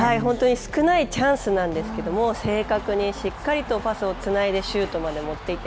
少ないチャンスなんですけれど正確にしっかりとパスをつないでシュートまで持っていく。